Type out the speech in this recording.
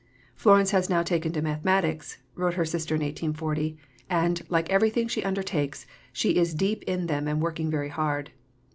"Florence has now taken to mathematics," wrote her sister in 1840, "and, like everything she undertakes, she is deep in them and working very hard."